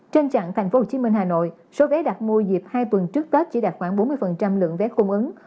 trên trạng tp hcm hà nội số vé đặt mua dịp hai tuần trước tết chỉ đạt khoảng bốn mươi lượng vé cung ứng